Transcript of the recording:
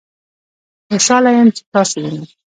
خوشحاله یم چې تاسو وینم